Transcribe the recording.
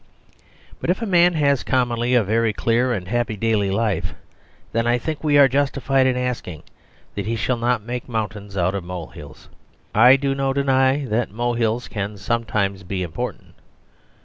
But if a man has commonly a very clear and happy daily life then I think we are justified in asking that he shall not make mountains out of molehills. I do not deny that molehills can sometimes be important.